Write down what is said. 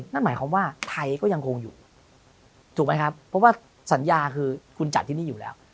นั่นหมายความว่าไทยก็ยังคงอยู่ถูกไหมครับเพราะว่าสัญญาคือคุณจัดที่นี่อยู่แล้ว